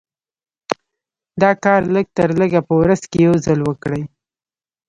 دا کار لږ تر لږه په ورځ کې يو ځل وکړئ.